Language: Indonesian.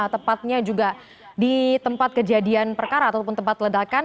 tepatnya juga di tempat kejadian perkara ataupun tempat ledakan